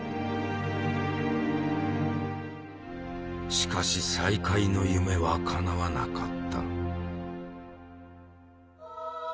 しかし再会の夢はかなわなかった。